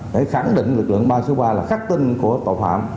để khẳng định lực lượng ba trăm sáu mươi ba là khắc tinh của tội phạm